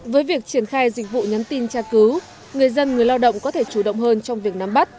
với việc triển khai dịch vụ nhắn tin tra cứu người dân người lao động có thể chủ động hơn trong việc nắm bắt